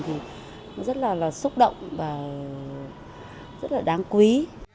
thì nó rất là xúc động và rất là đáng quý